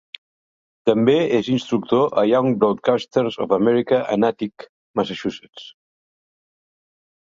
També és instructor a Young Broadcasters of America a Natick, Massachusetts.